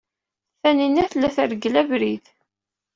Tanina tella tergel abrid.